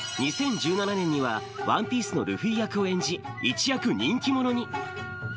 ２０１７年には、ワンピースのルフィ役を演じ、一躍人気者に。